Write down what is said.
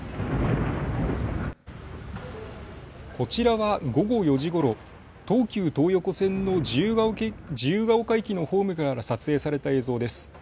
こちらは午後４時ごろ、東急東横線の自由が丘駅のホームから撮影された映像です。